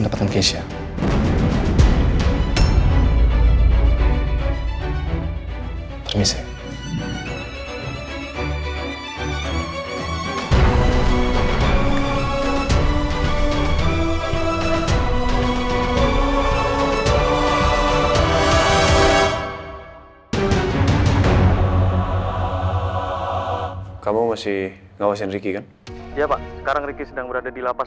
pekan yang keempat